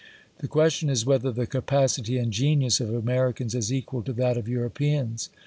. The question is, whether the capacity and genius ot Americans is equal to that of Europeans